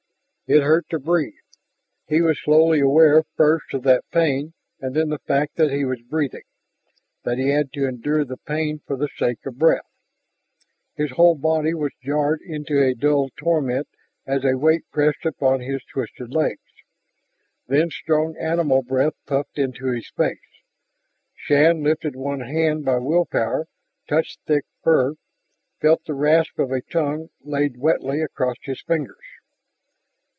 It hurt to breathe; he was slowly aware first of that pain and then the fact that he was breathing, that he had to endure the pain for the sake of breath. His whole body was jarred into a dull torment as a weight pressed upon his twisted legs. Then strong animal breath puffed into his face. Shann lifted one hand by will power, touched thick fur, felt the rasp of a tongue laid wetly across his fingers.